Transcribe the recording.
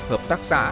hợp tác xã